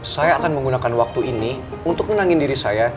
saya akan waktu ini untuk tenangin diri saya